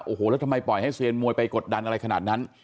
โอ้โหแล้วทำไมปล่อยให้เซียนมวยไปกดดันอะไรขนาดนั้น